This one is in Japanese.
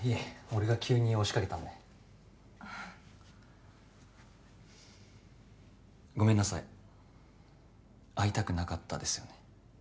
俺が急に押しかけたのであっごめんなさい会いたくなかったですよね